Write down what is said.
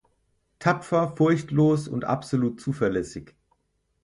Tapfer, furchtlos und absolut zuverlässig“.